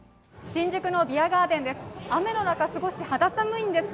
新宿のビアガーデンです。